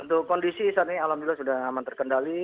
untuk kondisi saat ini alhamdulillah sudah aman terkendali